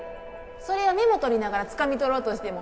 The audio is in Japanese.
それをメモ取りながらつかみ取ろうとしても